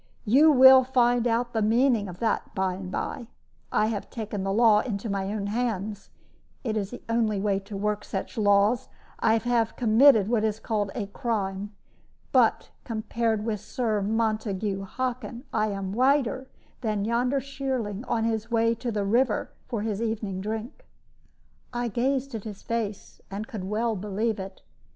You will find out the meaning of that by and by. I have taken the law into my own hands it is the only way to work such laws I have committed what is called a crime. But, compared with Sir Montague Hockin, I am whiter than yonder shearling on his way to the river for his evening drink." I gazed at his face, and could well believe it.